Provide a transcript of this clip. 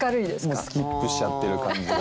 もうスキップしちゃってる感じが。